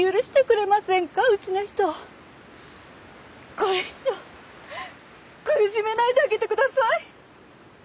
これ以上苦しめないであげてください！